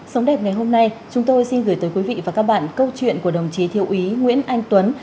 sống đẹp ngày hôm nay chúng tôi xin gửi tới quý vị và các bạn câu chuyện của đồng chí thiếu ý nguyễn anh tuấn